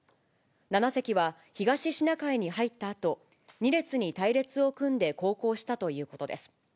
７隻は東シナ海に入ったあと、２列に隊列を組んで航行したということです。